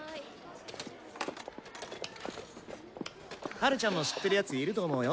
ハルちゃんも知ってる奴いると思うよ。